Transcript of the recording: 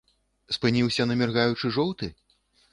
Спыніўся на міргаючы жоўты?